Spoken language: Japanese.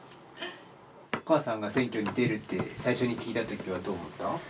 お母さんが選挙に出るって最初に聞いたときはどう思った？